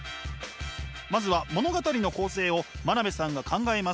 まずは物語の構成を真鍋さんが考えます。